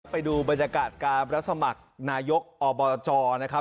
ไปดูบรรยากาศการรับสมัครนายกอบจนะครับ